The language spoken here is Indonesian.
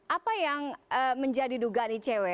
apa yang menjadi duga di cw